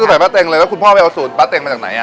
ก็จะใส่บะเต็งเลยแล้วคุณพ่อไปเอาสูตรบะเต็งมาจากไหนอ่ะ